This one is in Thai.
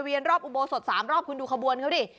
รอบอุโบสถ๓รอบคุณดูขบวนเขาดิ